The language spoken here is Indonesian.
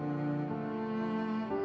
aku jangan untuk bisa